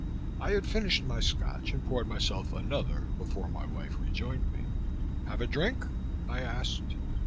I had finished my Scotch and poured myself another before my wife rejoined me. "Have a drink?" I asked.